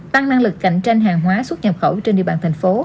tăng năng lực cạnh tranh hàng hóa xuất nhập khẩu trên địa bàn tp hcm